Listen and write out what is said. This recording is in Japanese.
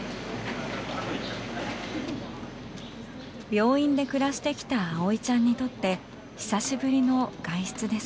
病院で暮らしてきた葵ちゃんにとって久しぶりの外出です。